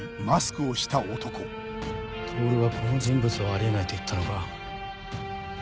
透はこの人物をあり得ないと言ったのか。